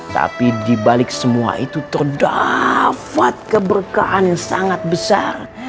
tapi dibalik semua itu terdapat keberkaan sangat besar